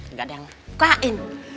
nggak ada yang mukain